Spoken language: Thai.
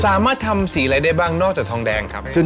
สามารถทำสีอะไรได้บ้างนอกจากทองแดงครับ